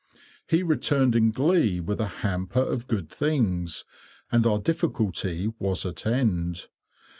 He returned in glee with a hamper of good things, and our difficulty was at end.